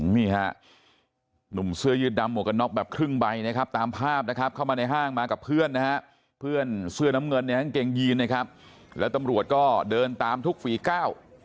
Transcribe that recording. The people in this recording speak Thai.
นี่ฮะหนุ่มเสื้อยืดดำหมวกกันน็อกแบบครึ่งใบนะครับตามภาพนะครับเข้ามาในห้างมากับเพื่อนนะฮะเพื่อนเสื้อน้ำเงินเนี่ยกางเกงยีนนะครับแล้วตำรวจก็เดินตามทุกฝีก้าว